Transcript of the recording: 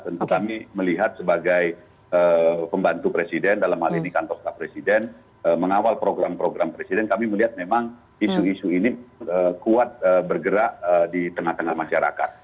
tentu kami melihat sebagai pembantu presiden dalam hal ini kantor staf presiden mengawal program program presiden kami melihat memang isu isu ini kuat bergerak di tengah tengah masyarakat